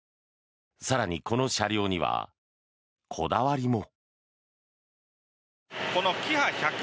更に、この車両にはこだわりも。